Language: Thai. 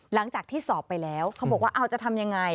หลังจากที่สอบไปแล้วเขาบอกว่าเอาจะทำยังไง